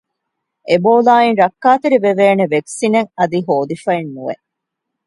އެބޯލާއިން ރައްކާތެރިވެވޭނެ ވެކުސިނެއް އަދި ހޯދިފައެއް ނުވެ